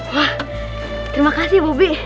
wah terima kasih ya mobi